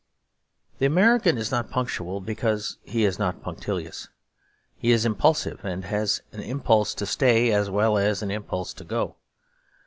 The American is not punctual because he is not punctilious. He is impulsive, and has an impulse to stay as well as an impulse to go.